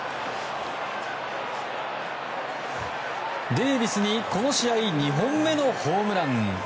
デービスに、この試合２本目のホームラン。